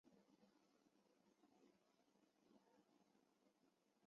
圣埃瓦尔泽克人口变化图示